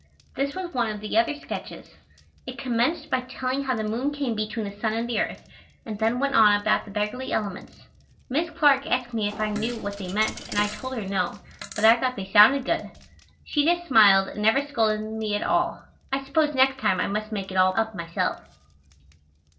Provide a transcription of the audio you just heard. This was one of the other sketches: It commenced by telling how the moon came between the sun and the earth, and then went on about the beggarly elements. Miss Clark asked me if I knew what they meant and I told her no, but I thought they sounded good. She just smiled and never scolded me at all. I suppose next time I must make it all up myself.